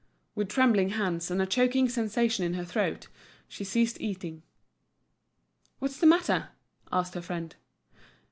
With trembling hands, and a choking sensation in her throat, she ceased eating. "What's the matter?" asked her friend.